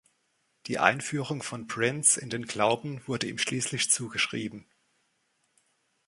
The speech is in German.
Die Einführung von Prince in den Glauben wurde ihm schließlich zugeschrieben.